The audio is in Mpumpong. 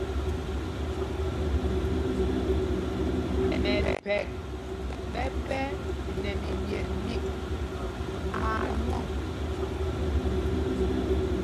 Mɛphɛk ɓɛ ɓɛ́ nɛ mimyet mîk maa nwɔ̂ŋ.